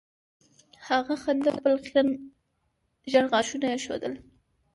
هغه خندل او خپل خیرن زیړ غاښونه یې ښودل